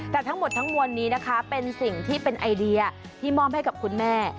แต่ทั้งหมดทั้งมวลนี้นะคะเป็นสิ่งที่เป็นไอเดียที่มอบให้กับคุณแม่